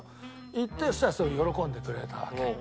言ってそしたらすごい喜んでくれたわけ。